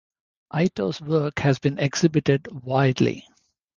Ito's work has been exhibited widely.